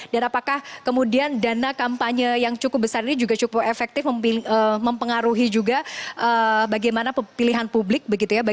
dan apakah kemudian dana kampanye yang cukup besar ini juga cukup efektif mempengaruhi juga bagaimana pilihan publik begitu ya